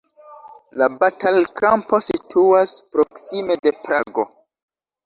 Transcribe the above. La batalkampo situas proksime de Prago.